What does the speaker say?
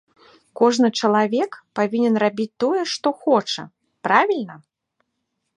Кожны чалавек павінен рабіць тое, што хоча, правільна?